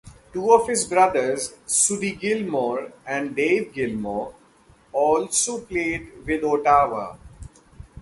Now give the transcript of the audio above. Two of his brothers, Suddy Gilmour and Dave Gilmour, also played with Ottawa.